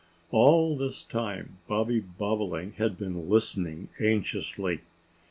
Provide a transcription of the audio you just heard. All this time Bobby Bobolink had been listening anxiously.